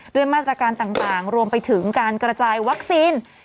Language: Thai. ด้วยมาตรการต่างรวมไปถึงการกระจายวัคซีน